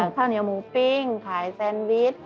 ข้าวเหนียวหมูปิ้งขายแซนวิช